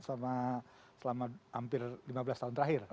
selama hampir lima belas tahun terakhir